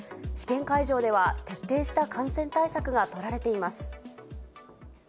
試験会場では徹底した感染対策が取られています。